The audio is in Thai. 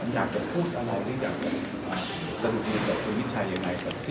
คุณวิชัยพูดอะไรอย่างสมบูรณ์กับคุณวิชัยอย่างไร